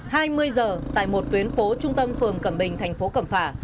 hai mươi h tại một tuyến phố trung tâm phường cẩm bình tp cẩm phả